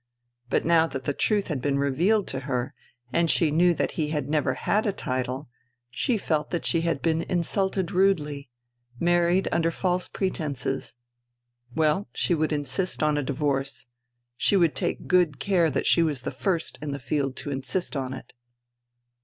But now that the truth had been revealed to her and she knew that he had never had a title, she felt that she had been insulted rudely, married under false pretences. Well, she would insist on a divorce ; she would take good care that she was the first in the field to insist on it.